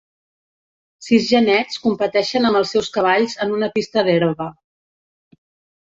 Sis genets competeixen amb els seus cavalls en una pista d'herba.